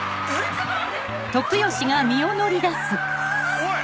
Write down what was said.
おい！